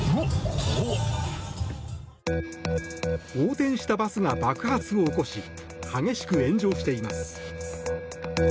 横転したバスが爆発を起こし激しく炎上しています。